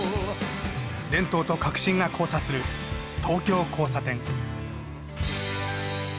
伝統と革新が交差する『東京交差点』。